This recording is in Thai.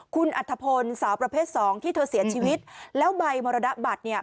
คุณอัธพลสาวประเภทสองที่เธอเสียชีวิตแล้วใบมรณบัตรเนี่ย